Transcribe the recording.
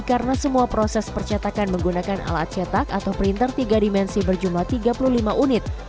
karena semua proses percetakan menggunakan alat cetak atau printer tiga dimensi berjumlah tiga puluh lima unit